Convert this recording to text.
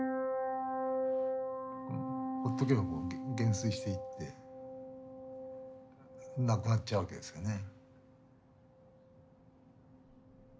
ほっとけばこう減衰していってなくなっちゃうわけですよね。